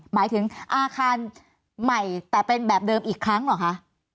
หมายถึงอาคารใหม่แต่เป็นแบบเดิมอีกครั้งเหรอคะ